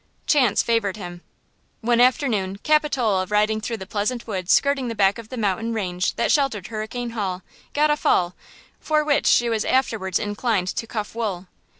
Chance favored him. One afternoon Capitola, riding through the pleasant woods skirting the back of the mountain range that sheltered Hurricane Hall, got a fall, for which she was afterwards inclined to cuff Wool.